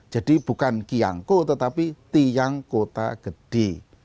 jadi bukan kiangko tetapi tiang kota gede